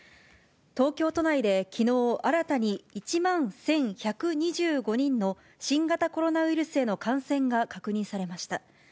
東京都内できのう、新たに１万１１２５人の新型コロナウイルスへの感染が確認されました。